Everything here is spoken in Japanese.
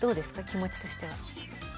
気持ちとしては。